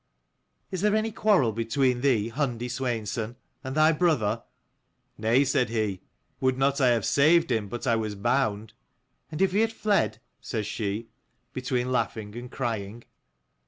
" Is there any quarrel between thee, Hundi Sweinson, and thy brother?" " Nay," said he. "Would not I have saved him, but I was bound?" "And if he had fled?" says she, between laughing and crying.